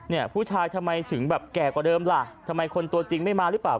เนี่ยผู้ชายทำไมถึงแบบแก่กว่าเดิมล่ะทำไมคนตัวจริงไม่มาหรือเปล่า